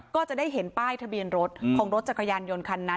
ก็จะได้เห็นป้ายทะเบียนรถของรถจักรยานยนต์คันนั้น